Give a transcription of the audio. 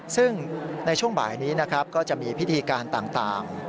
ซึ่งในช่วงบ่ายนี้นะครับก็จะมีพิธีการต่าง